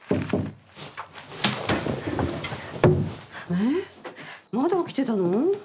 えっまだ起きてたの？